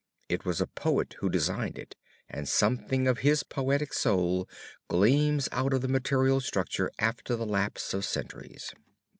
It was a poet who designed it and something of his poetic soul gleams out of the material structure after the lapse of centuries.